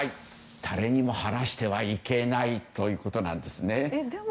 誰にも話してはいけないということなんです。